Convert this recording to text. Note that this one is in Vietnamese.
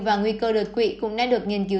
và nguy cơ đột quỵ cũng đã được nghiên cứu